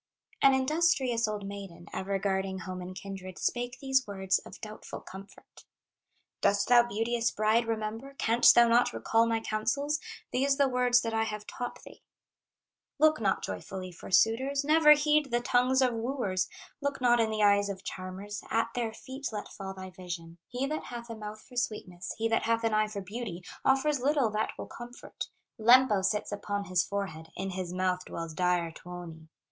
An industrious old maiden, Ever guarding home and kindred, Spake these words of doubtful comfort: "Dost thou, beauteous bride, remember, Canst thou not recall my counsels? These the words that I have taught thee: 'Look not joyfully for suitors, Never heed the tongues of wooers, Look not in the eyes of charmers, At their feet let fall thy vision. He that hath a mouth for sweetness, He that hath an eye for beauty, Offers little that will comfort; Lempo sits upon his forehead, In his mouth dwells dire Tuoni.